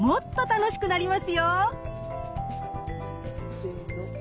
せの！